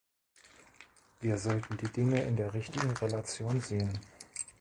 Wir sollten die Dinge in der richtigen Relation sehen.